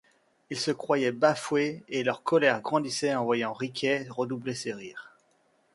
Ils se croyaient bafoués, et leur colère grandissait en voyant Riquet redoubler ses rires.